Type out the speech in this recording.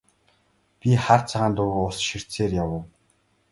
Би хар цагаан дуугүй ус ширтсээр явав.